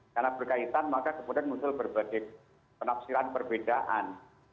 karena berkaitan kemudian kemudian muncul berbagai penapsilan perbedaan